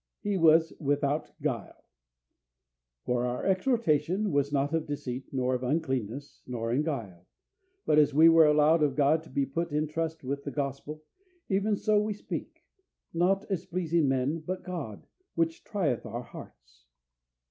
He was without guile. "For our exhortation was not of deceit, nor of uncleanness, nor in guile; but as we were allowed of God to be put in trust with the Gospel, even so we speak; not as pleasing men, but God, which trieth our hearts."